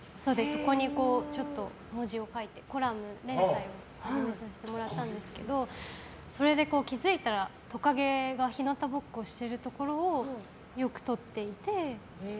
そこに文字を書いてコラム連載を始めさせてもらったんですけどそれで気づいたらトカゲが日なたぼっこしてるところをよく撮っていて。